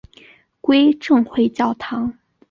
归正会教堂。